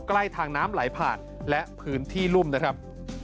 ใกล้ทางน้ำไหลผ่านและพื้นที่รุ่มนะครับ